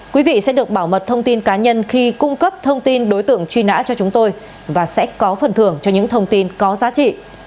quý vị sẽ được bảo mật thông tin cá nhân khi cung cấp thông tin đối tượng truy nã cho chúng tôi và sẽ có phần thưởng cho những thông tin có giá trị